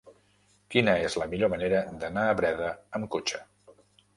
Quina és la millor manera d'anar a Breda amb cotxe?